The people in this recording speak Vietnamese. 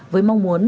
với mong muốn